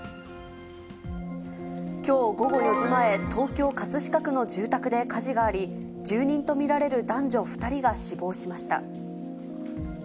きょう午後４時前、東京・葛飾区の住宅で火事があり、住人と見られる男女２人が死亡しました。